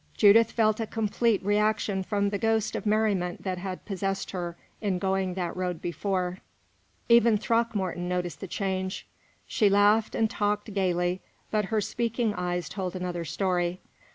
Judith felt a complete reaction from the ghost of merriment that had possessed her in going that road before. Even Throckmorton noticed the change. She laughed and talked gayly, but her speaking eyes told another story.